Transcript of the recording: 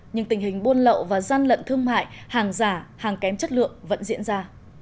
nhưng tình hình buôn lậu và gian lận thương mại hàng giả hàng kém chất lượng vẫn diễn ra